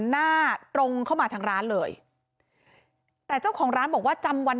หน้าตรงเข้ามาทางร้านเลยแต่เจ้าของร้านบอกว่าจำวัน